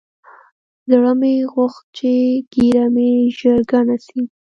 زړه مې غوښت چې ږيره مې ژر گڼه سي.